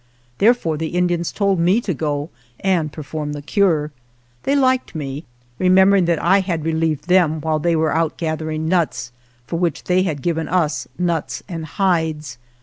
Therefore the Indians told me to go and perform the cure. They liked me, remem bering that I had relieved them while they were out gathering nuts, for which they had given us nuts and hides.